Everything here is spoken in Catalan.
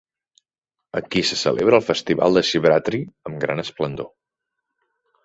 Aquí se celebra el festival de Shivratri amb gran esplendor.